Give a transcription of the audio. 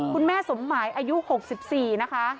คุณแม่สมหมายอายุ๖๔นะคะ